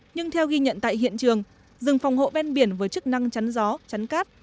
nhưng theo ghi nhận tại hiện trường rừng phòng hộ ven biển với chức năng chắn gió chắn cát